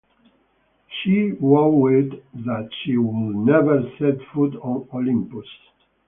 She vowed that she would never set foot on Olympus.